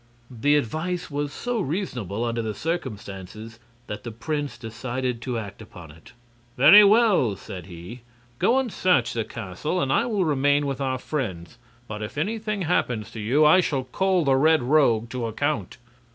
The advice was so reasonable, under the circumstances, that the prince decided to act upon it. "Very well," said he, "go and search the castle, and I will remain with our friends. But if anything happens to you, I shall call the Red Rogue to account."